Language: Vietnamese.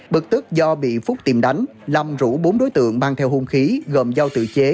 bực tức do bị phúc tìm đánh lâm rủ bốn đối tượng mang theo hung khí gồm giao tự chế